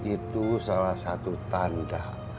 itu salah satu tanda